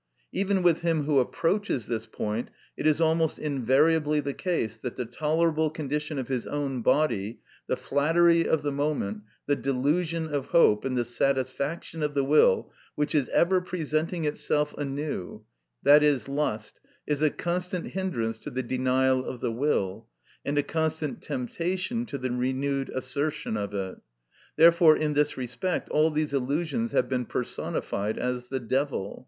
Even with him who approaches this point, it is almost invariably the case that the tolerable condition of his own body, the flattery of the moment, the delusion of hope, and the satisfaction of the will, which is ever presenting itself anew, i.e., lust, is a constant hindrance to the denial of the will, and a constant temptation to the renewed assertion of it. Therefore in this respect all these illusions have been personified as the devil.